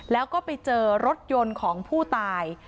แล้วก็ไปเจอรถยนต์ของผู้ตาย